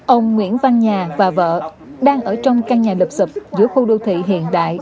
ông nguyễn văn nhà và vợ đang ở trong căn nhà lập sập giữa khu đô thị hiện đại